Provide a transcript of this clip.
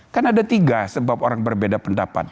kan ada tiga sebab orang berbeda pendapat